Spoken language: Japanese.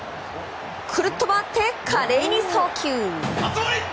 くるっと回って華麗に送球！